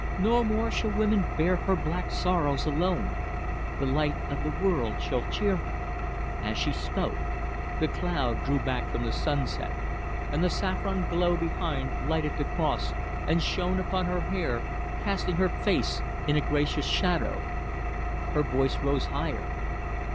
No more shall woman bear her black sorrows, alone; the Light of the World shall cheer her." As she spoke, the cloud drew back from the sunset, and the saffron glow behind lighted the cross, and shone upon her hair, casting her face in a gracious shadow. Her voice rose higher.